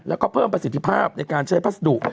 แล้วก็เพิ่มประสิทธิภาพในการใช้พัสดุ